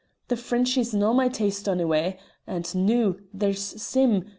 The Frenchy's no' my taste onyway; and noo, there's Sim!